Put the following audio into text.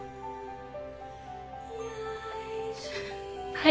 はい。